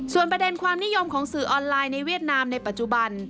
ส่วนประเด็นความนิยมของสื่อออนไลน์ในเวียดนามในปัจจุบัน